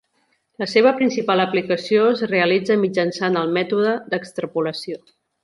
La seva principal aplicació es realitza mitjançant el mètode d'extrapolació.